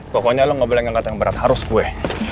pokoknya lu nggak boleh ngangkat yang berat harus gue